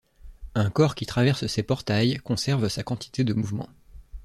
Un corps qui traverse ces portails conserve sa quantité de mouvement.